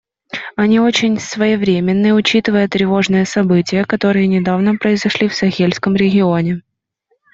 Они очень своевременны, учитывая тревожные события, которые недавно произошли в Сахельском регионе.